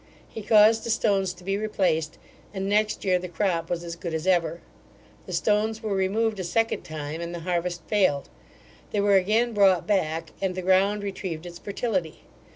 He caused the stones to be replaced, and next year the crop was as good as ever. The stones were removed a second time, and the harvest failed; they were again brought back, and the ground retrieved its fertility.